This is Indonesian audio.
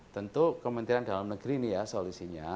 tentu kementerian dalam negeri ini ya solusinya